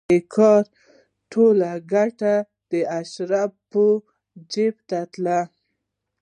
د کار ټوله ګټه د اشرافو جېب ته تلله